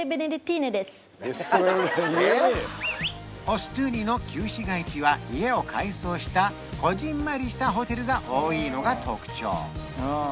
オストゥーニの旧市街地は家を改装したこぢんまりしたホテルが多いのが特徴